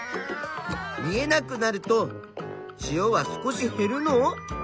見えなくなると塩は少しへるの？